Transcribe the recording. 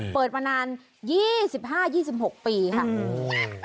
เปิดมานาน๒๕๒๖ปีค่ะ